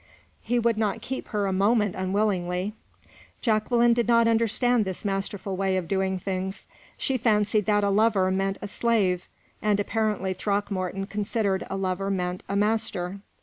He would not keep her a moment unwillingly. Jacqueline did not understand this masterful way of doing things. She fancied that a lover meant a slave, and apparently Throckmorton considered a lover meant a master.